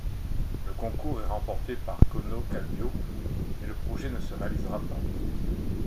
Le concours est remporté par Kauno Kallio mais le projet ne se réalisera pas.